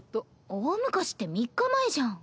大昔って３日前じゃん。